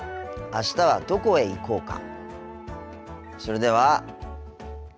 あしたはどこへ行こうか？